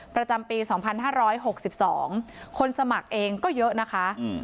ประจำปีสองพันห้าร้อยหกสิบสองคนสมัครเองก็เยอะนะคะอืม